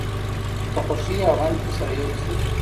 په خوښۍ او غم کې سره یو شئ.